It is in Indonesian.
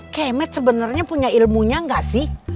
kemet sebenarnya punya ilmunya gak sih